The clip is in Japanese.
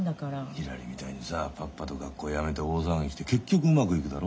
ひらりみたいにさパッパと学校やめて大騒ぎして結局うまくいくだろ？